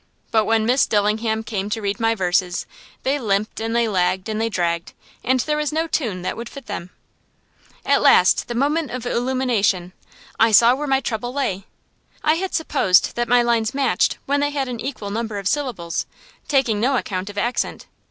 but when Miss Dillingham came to read my verses, they limped and they lagged and they dragged, and there was no tune that would fit them. At last came the moment of illumination: I saw where my trouble lay. I had supposed that my lines matched when they had an equal number of syllables, taking no account of accent.